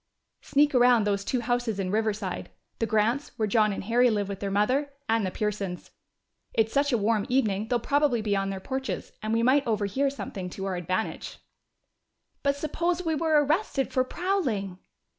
"Sneak around those two houses in Riverside the Grants', where John and Harry live with their mother, and the Pearsons'! It's such a warm evening they'll probably be on their porches, and we might overhear something to our advantage." "But suppose we were arrested for prowling?"